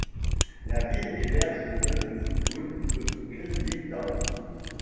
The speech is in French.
La ville héberge le club de football de Grimsby Town.